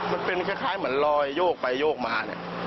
มันเป็นคล้ายเหมือนรอยโยกไปโยกมาเนี่ย